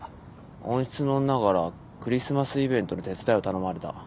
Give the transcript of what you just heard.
温室の女からクリスマスイベントの手伝いを頼まれた。